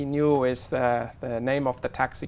nhưng cho tôi